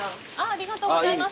ありがとうございます。